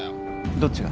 どっちが？